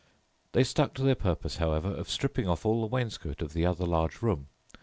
"They stuck to their purpose, however, of stripping off all the wainscot of the other large room.